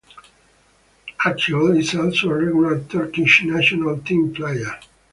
Akyol is also a regular Turkish national team player.